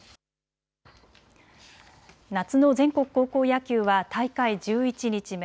夏の全国高校野球は大会１１日目。